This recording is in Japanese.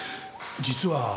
実は。